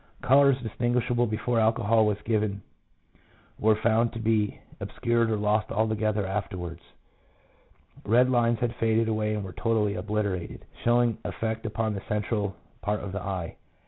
Colours distinguishable before alcohol was given were found to be obscured or lost altogether afterwards. 1 Red lines had faded away and were totally obliter ated, showing effect upon the central part of the eye.